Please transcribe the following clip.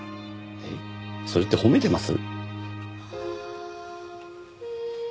えっそれって褒めてます？